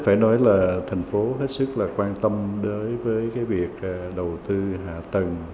phải nói là tp hcm hết sức quan tâm đối với việc đầu tư hạ tầng